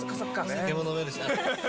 酒も飲めるしね。